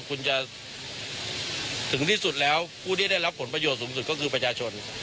คุณจะถึงที่สุดแล้วผู้ที่ได้รับผลประโยชน์สูงสุดก็คือประชาชน